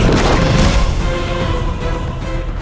jangan jangan ber lapai